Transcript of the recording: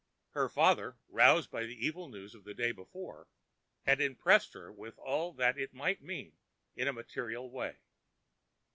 Her father, roused by the evil news of the day before, had impressed her with all that it might mean in a material way.